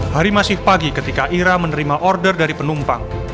hari masih pagi ketika ira menerima order dari penumpang